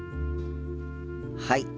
はい。